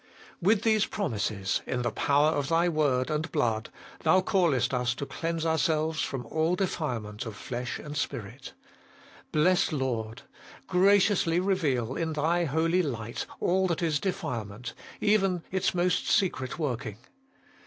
With these promises, in the power of Thy word and blood, Thou callest us to cleanse ourselves from all defilement of flesh and spirit. Blessed Lord ! graciously reveal in Thy Holy Light all that is defile ment, even its most secret working.